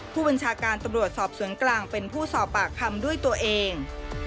ผู้บัญชาการตำรวจสอบสวนกลางเป็นผู้สอบปากคำด้วยตัวเอง